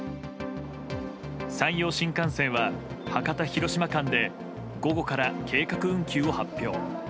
山陽新幹線は、博多広島間で午後から計画運休を発表。